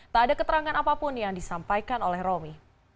tak ada keterangan apapun yang disampaikan oleh romi